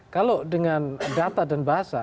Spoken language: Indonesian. kalau dengan data dan bahasa